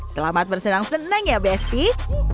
selamat bersenang senang ya besti